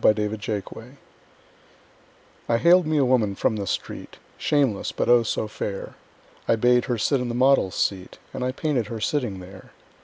My Madonna I haled me a woman from the street, Shameless, but, oh, so fair! I bade her sit in the model's seat And I painted her sitting there.